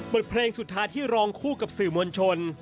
บทเพลงสุดท้ายที่รองคู่กับสื่อมวลชน